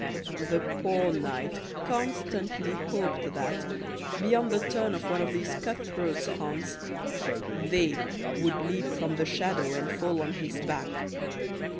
The poor knight constantly hoped that, beyond the turn of one of these cut throats' haunts, "they" would leap from the shadow and fall on his back.